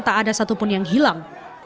tak ada satupun yang hilang